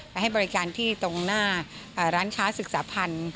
ให้บริการที่ตรงหน้าร้านค้าศึกษาพันธ์